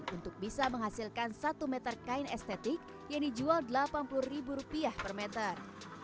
untuk bisa menghasilkan satu meter kain estetik yang dijual rp delapan puluh per meter